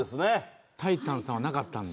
タイタンさんはなかったんだ。